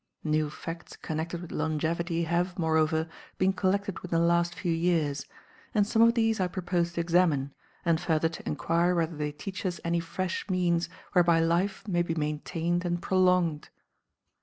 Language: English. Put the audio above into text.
New facts connected with longevity have, moreover, been collected within the last few years, and some of these I propose to examine, and further to inquire whether they teach us any fresh means whereby life may be maintained and prolonged.